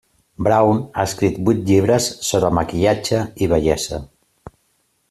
Brown ha escrit vuit llibres sobre maquillatge i bellesa.